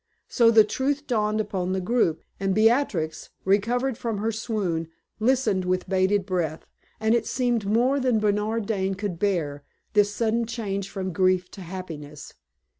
So the truth dawned upon the group, and Beatrix, recovered from her swoon, listened with bated breath, and it seemed more than Bernard Dane could bear this sudden change from grief to happiness.